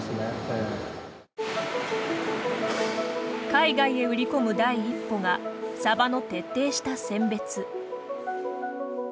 海外へ売り込む第一歩がサバの徹底した選別。